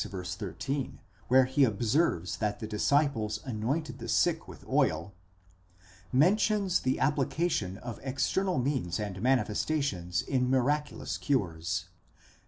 13, where he observes that the disciples anointed the sick with oil), mentions the application of external means and manifestations in miraculous cures.